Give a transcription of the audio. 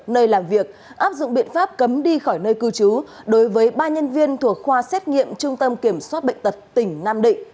nơi làm việc áp dụng biện pháp cấm đi khỏi nơi cư trú đối với ba nhân viên thuộc khoa xét nghiệm trung tâm kiểm soát bệnh tật tỉnh nam định